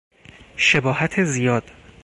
شباهت زیاد